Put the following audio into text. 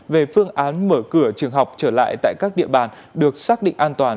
về phương án mở cửa trường học trở lại tại các địa bàn được xác định an toàn